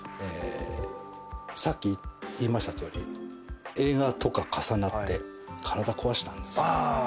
さっき言いましたとおり映画とか重なって体壊したんですよ。